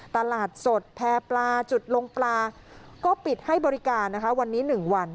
ตลาดสดแพร่ปลาจุดลงปลาก็ปิดให้บริการนะคะวันนี้๑วัน